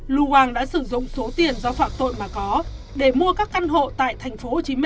các đối tượng sử dụng số tiền do phạm tội mà có để mua các căn hộ tại tp hcm